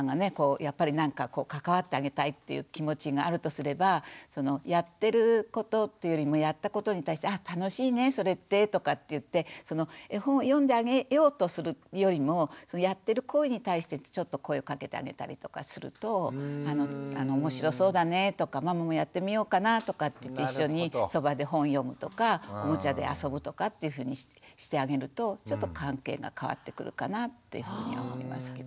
やっぱり何か関わってあげたいっていう気持ちがあるとすればやってることっていうよりもやったことに対して「あ楽しいねそれって」とかって言って絵本を読んであげようとするよりもやってる行為に対してちょっと声をかけてあげたりとかすると面白そうだねとかママもやってみようかなとかって一緒にそばで本読むとかおもちゃで遊ぶとかっていうふうにしてあげるとちょっと関係が変わってくるかなってふうには思いますけど。